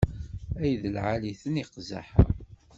Ay d lεali-ten iqzaḥ-a!